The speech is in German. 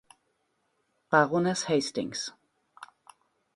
Baroness Hastings.